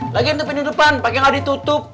lagi antepin di depan pake gak ditutup